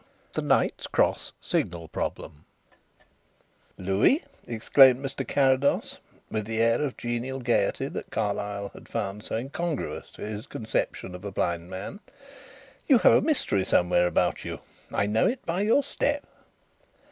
THE KNIGHT'S CROSS SIGNAL PROBLEM "Louis," exclaimed Mr. Carrados, with the air of genial gaiety that Carlyle had found so incongruous to his conception of a blind man, "you have a mystery somewhere about you! I know it by your step."